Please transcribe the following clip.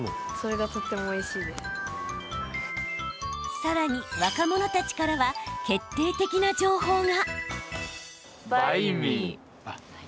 さらに、若者たちからは決定的な情報が。